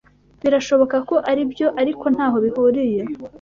Birashoboka ko aribyo, ariko ntaho bihuriye